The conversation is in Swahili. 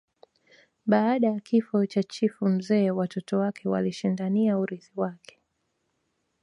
Baada ya kifo cha chifu mzee watoto wake walishindania urithi wake